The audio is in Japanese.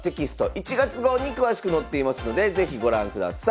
１月号に詳しく載っていますので是非ご覧ください。